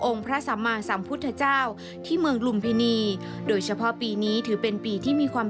พระสัมมาสัมพุทธเจ้าที่เมืองลุมพินีโดยเฉพาะปีนี้ถือเป็นปีที่มีความ